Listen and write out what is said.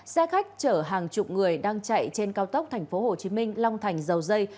xe khách chở hàng chục người đang chạy trên cao tốc tp hcm long thành dầu dây